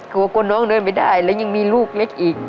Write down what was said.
กลัวกลัวน้องเดินไม่ได้แล้วยังมีลูกเล็กอีก